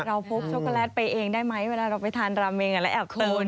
นะฮะเราพบช็อกโกแลตไปเองได้ไหมเวลาเราไปทานราเมงอะแล้วเอง